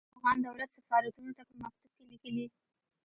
افغان دولت سفارتونو ته په مکتوب کې ليکلي.